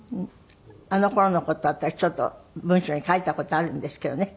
あの頃の事を私ちょっと文章に書いた事あるんですけどね